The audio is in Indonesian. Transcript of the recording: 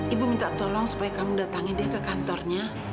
ibu minta tolong supaya kamu datangnya dia ke kantornya